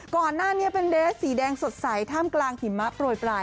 ก่อนหน้านี้เป็นเดสสีแดงสดใสท่ามกลางหิมะโปรยปลาย